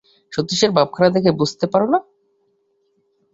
সতীশের ভাবখানা দেখে বুঝতে পার না!